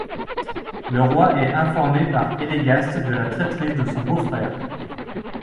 Le roi est informé par Elegast de la traîtrise de son beau-frère.